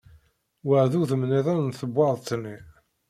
Wa d udem nniḍen n tebwaḍt-nni.